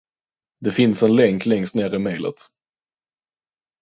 Det finns en länk längst ner i mejlet.